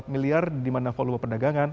empat miliar di mana volume perdagangan